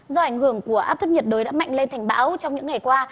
do ảnh hưởng của áp thấp nhiệt đới đã mạnh lên thành bão trong những ngày qua